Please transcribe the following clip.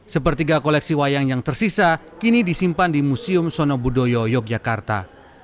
sepertiga koleksi wayang yang tersisa kini disimpan di museum sonobudoyo yogyakarta